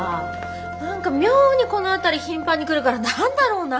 何か妙にこのあたり頻繁に来るから何だろうなって。